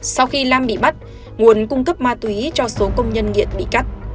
sau khi lam bị bắt nguồn cung cấp ma túy cho số công nhân nghiện bị cắt